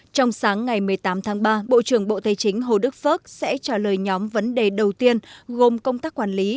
trong sáng ngày một mươi tám tháng ba bộ trưởng bộ tây chính hồ đức phước sẽ trả lời nhóm vấn đề đầu tiên gồm công tác quản lý